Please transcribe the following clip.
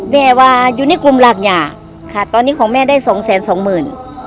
แม่ว่าอยู่ในกลุ่มรากยาค่ะตอนนี้ของแม่ได้สองแสนสองหมื่น